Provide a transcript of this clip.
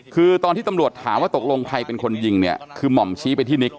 คือตอนที่ตำรวจถามว่าตกลงใครเป็นคนยิงเนี่ยคือหม่อมชี้ไปที่นิก